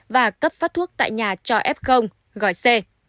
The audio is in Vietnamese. và cấp phát thuốc tại nhà cho f gói c